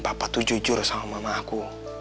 bapak tuh jujur sama mama aku